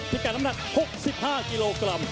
ที่กระดำหนัก๖๕กิโลกรัม